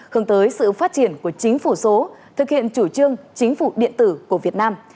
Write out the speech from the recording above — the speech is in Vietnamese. hướng tới sự phát triển của chính phủ số thực hiện chủ trương chính phủ điện tử của việt nam